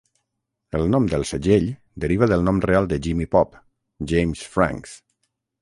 El nom del segell deriva del nom real de Jimmy Pop, James Franks.